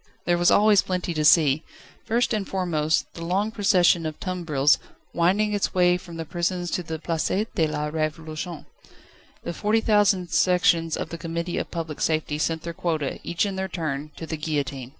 There was always plenty to see: first and foremost, the long procession of tumbrils, winding its way from the prisons to the Place de la Révolution. The forty four thousand sections of the Committee of Public Safety sent their quota, each in their turn, to the guillotine.